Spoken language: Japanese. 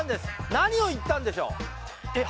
何を言ったんでしょうえっ